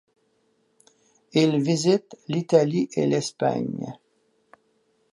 Il visite l’Italie et l’Espagne.